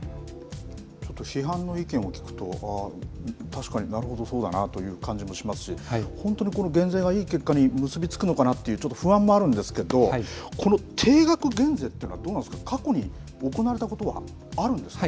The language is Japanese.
ちょっと批判の意見を聞くと確かに、なるほどそうだなという感じもしますし、本当にこの減税がいい結果に結びつくのかなというちょっと不安もあるんですけどこの定額減税というのは過去に行われたことはあるんですか。